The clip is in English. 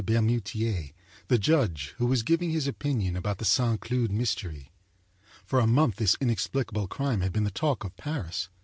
Bermutier, the judge, who was giving his opinion about the Saint Cloud mystery. For a month this in explicable crime had been the talk of Paris.